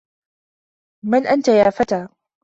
من أنت يا فتى؟